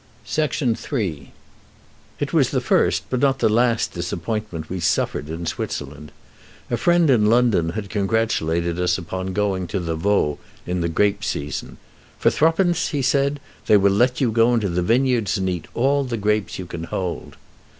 III It was the first but not the last disappointment we suffered in Switzerland. A friend in London had congratulated us upon going to the Vaud in the grape season. "For thruppence," he said, "they will let you go into the vineyards and eat all the grapes you can hold."